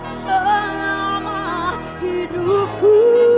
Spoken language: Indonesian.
tuhan yang mengejutku